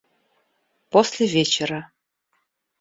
После вечера.